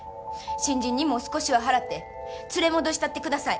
新人にも少しは払って連れ戻したってください。